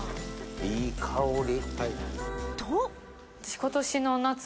いい香り。